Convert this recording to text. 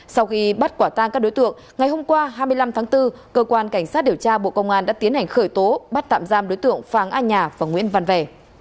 sau khi bắt quả tang các đối tượng ngày hôm qua hai mươi năm tháng bốn cơ quan cảnh sát điều tra bộ công an đã tiến hành khởi tố bắt tạm giam đối tượng phàng a nhà và nguyễn văn vẻ